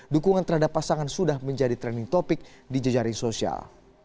dukungan terhadap pasangan sudah menjadi trending topic di jejaring sosial